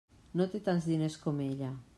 No té tants diners com ella.